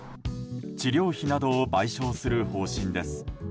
治療費などを賠償する方針です。